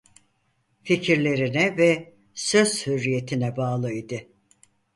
Fikirlerine ve söz hürriyetine bağlı idi.